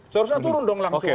seharusnya turun dong langsung